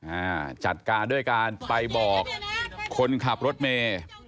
อ่าจัดการด้วยการไปบอกคนขับรถเมย์